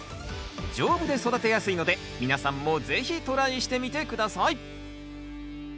丈夫で育てやすいので皆さんも是非トライしてみて下さい。